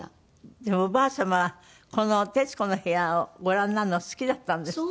でもおばあ様はこの『徹子の部屋』をご覧になるのが好きだったんですって？